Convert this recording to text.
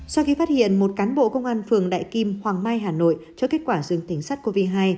sau khi phát hiện một cán bộ công an phường đại kim hoàng mai hà nội cho kết quả dương tính sắt covid một mươi chín